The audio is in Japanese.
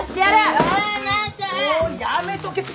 おいやめとけって。